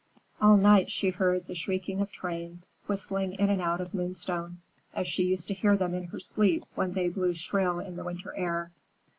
All night she heard the shrieking of trains, whistling in and out of Moonstone, as she used to hear them in her sleep when they blew shrill in the winter air.